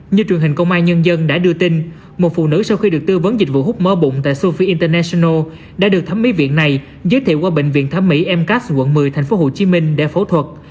như truyền hình công an nhân dân đã đưa tin một phụ nữ sau khi được tư vấn dịch vụ hút mỡ bụng tại sophi interneto đã được thẩm mỹ viện này giới thiệu qua bệnh viện thẩm mỹ mcas quận một mươi tp hcm để phẫu thuật